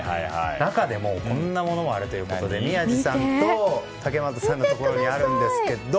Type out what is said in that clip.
中でもこんなものがありまして宮司さんと竹俣さんのところにあるんですけど。